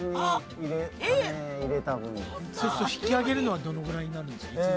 引き上げるのはどのぐらいになるんですか？